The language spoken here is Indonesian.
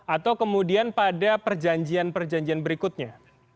atau kemudian pada perjanjian perjanjian berikutnya